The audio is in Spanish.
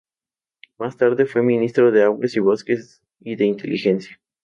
Más tarde fue ministro de Aguas y Bosques y de Inteligencia.